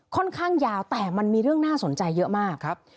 ค่อนข้างยาวแต่มันมีเรื่องน่าสนใจเยอะมากครับ